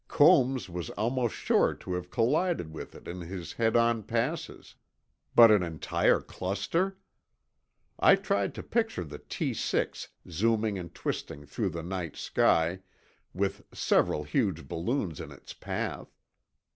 Combs was almost sure to have collided with it in his head on passes. But an entire cluster! I tried to picture the T 6 zooming and twisting through the night sky, with several huge balloons in its path.